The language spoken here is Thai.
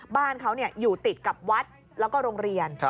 บ้านเขาอยู่ติดกับวัดแล้วก็โรงเรียน